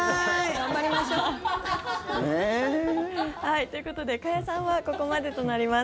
頑張りましょう。ということで加谷さんはここまでとなります。